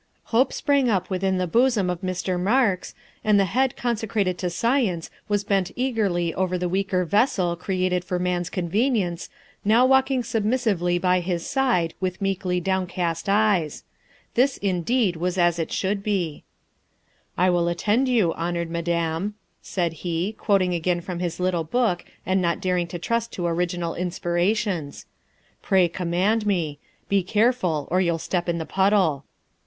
Hope sprang up within the bosom of Mr. Marks, and the head consecrated to science was bent eagerly over the weaker vessel, created for man's convenience, now walking submissively by his side with meekly downcast eyes. This, indeed, was as it should be. " I will attend you, honored Madam," said he, quoting again from his little book and not daring to trust to original inspirations. " Pray command me. Be careful, or you '11 step in the puddle.